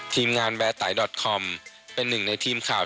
ทีมงานแวร์ไตดอทคอมเป็นหนึ่งในทีมข่าว